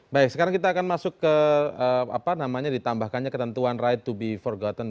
baik sekarang kita akan masuk ke apa namanya ditambahkannya ketentuan right to be for gotton